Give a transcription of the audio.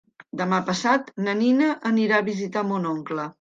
Demà passat na Nina anirà a visitar mon oncle.